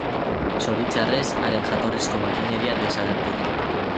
Zoritxarrez, haren jatorrizko makineria desagertu da.